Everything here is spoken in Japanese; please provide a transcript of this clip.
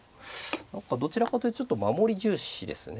何かどちらかというとちょっと守り重視ですね。